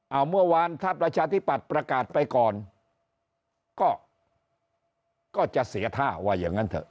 เอาเมื่อวานถ้าประชาธิปัตย์ประกาศไปก่อนก็จะเสียท่าว่าอย่างนั้นเถอะ